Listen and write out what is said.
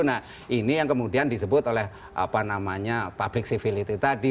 nah ini yang kemudian disebut oleh apa namanya public civility tadi